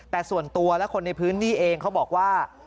แต่ส่วนตัวและคนในพื้นที่เองเขาบอกว่า